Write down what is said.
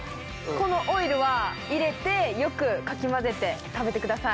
このオイルは入れてよくかき混ぜて食べてください。